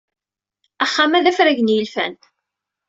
Axxam-a d afrag n yilfan.